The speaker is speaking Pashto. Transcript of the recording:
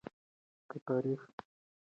که تاريخ رښتيا وای نو اختلاف به نه و.